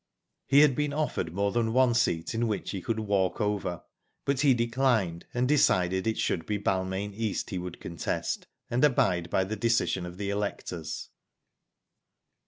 He had been offered more than one seat in which he could *' walk over,'' but he declined, and decided it should be Balmain East he would contest, and abide by the decision of the electors.